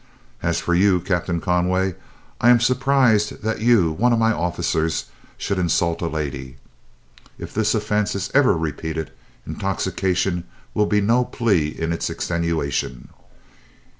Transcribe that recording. As for you, Captain Conway, I am surprised that you, one of my officers, should insult a lady. If this offence is ever repeated, intoxication will be no plea in its extenuation.